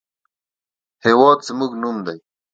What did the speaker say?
هېواد زموږ نوم دی